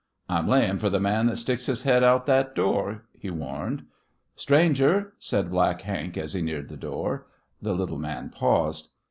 "I'm layin' fer th' man that sticks his head out that door," he warned. "Stranger," said Black Hank as he neared the door. The little man paused.